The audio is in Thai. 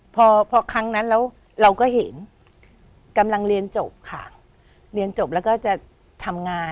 พอพอครั้งนั้นแล้วเราก็เห็นกำลังเรียนจบค่ะเรียนจบแล้วก็จะทำงาน